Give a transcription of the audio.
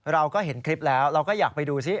เราก็เห็นคลิปแล้วเราก็อยากไปดูซิ